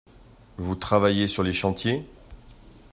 Vous travaillez sur les chantiers?